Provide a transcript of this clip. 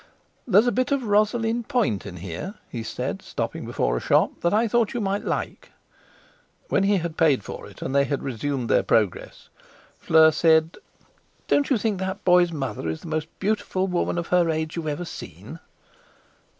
"There's a bit of rosaline point in here," he said, stopping before a shop, "that I thought you might like." When he had paid for it and they had resumed their progress, Fleur said: "Don't you think that boy's mother is the most beautiful woman of her age you've ever seen?"